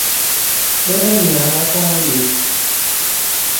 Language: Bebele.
Bə nə nyéaŋ akɔŋɔ yə̀s.